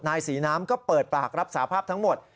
นายศรีน้ำก็เปิดปากรับสาภาพทั้งหมด